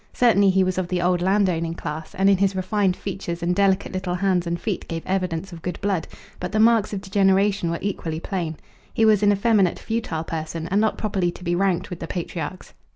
Certainly he was of the old landowning class, and in his refined features and delicate little hands and feet gave evidence of good blood, but the marks of degeneration were equally plain; he was an effeminate, futile person, and not properly to be ranked with the patriarchs.